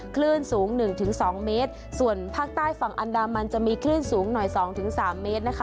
คลื่นสูงหนึ่งถึงสองเมตรส่วนภาคใต้ฝั่งอันดามันจะมีคลื่นสูงหน่อยสองถึงสามเมตรนะคะ